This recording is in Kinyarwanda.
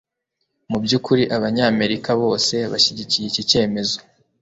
mubyukuri abanyamerika bose bashyigikiye iki cyemezo